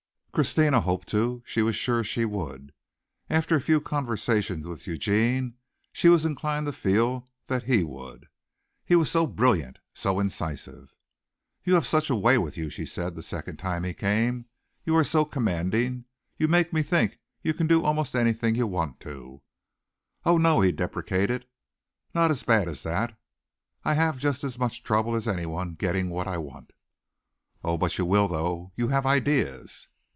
Christina hoped to. She was sure she would. After a few conversations with Eugene she was inclined to feel that he would. He was so brilliant, so incisive. "You have such a way with you," she said the second time he came. "You are so commanding. You make me think you can do almost anything you want to." "Oh, no," he deprecated. "Not as bad as that. I have just as much trouble as anyone getting what I want." "Oh, but you will though. You have ideas."